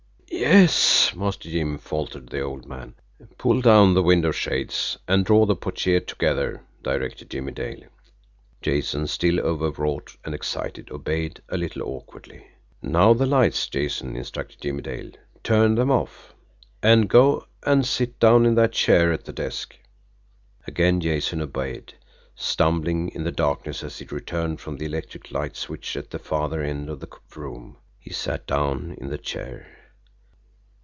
"Yes Master Jim," faltered the old man. "Pull down the window shades and draw the portiere together," directed Jimmie Dale. Jason, still overwrought and excited, obeyed a little awkwardly. "Now the lights, Jason," instructed Jimmie Dale. "Turn them off, and go and sit down in that chair at the desk." Again Jason obeyed, stumbling in the darkness as he returned from the electric light switch at the farther end of the room. He sat down in the chair.